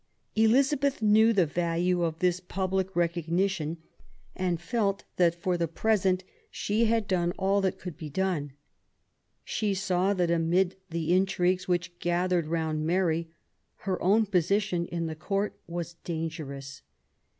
Elizabeth knew the value of this public recognition, and felt that for the present she had done all that could be done. She saw that, amid the intrigues which gathered round Mary, her own position in the court was dangerous.